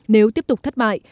nếu tiếp tục thất bại